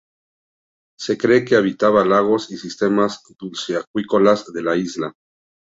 Se cree que habitaba lagos y sistemas dulceacuícolas de la isla.